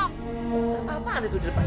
tidak apa apa aku akan mencari